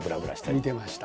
見てました。